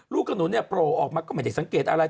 ลูกขนุนเนี่ยโผล่ออกมาก็ไม่ได้สังเกตอะไร